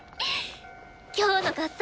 今日の合奏